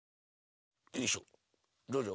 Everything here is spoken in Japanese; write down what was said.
よいしょどうぞ。